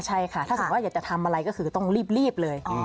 ใช่ค่ะถ้าสมมุติว่าอยากจะทำอะไรก็คือต้องรีบเลย